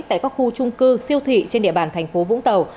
tại các khu trung cư siêu thị trên địa bàn thành phố vũng tàu